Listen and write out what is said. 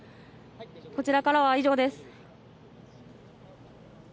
こちらからは以上です。